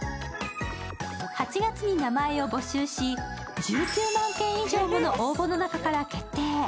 ８月に名前を募集し、１９万件以上の応募の中から決定。